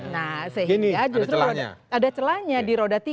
nah sehingga justru ada celahnya di roda tiga